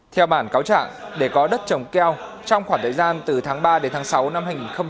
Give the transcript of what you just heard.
theo bản cáo trạng để có đất trồng keo trong khoảng thời gian từ tháng ba đến tháng sáu năm hai nghìn hai mươi